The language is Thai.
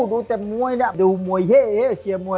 ดูแต่มวยอ่ะดูมวยเย่เชียร์มวย